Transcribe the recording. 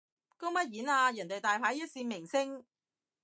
公乜嘢演啊，人哋大牌一線明星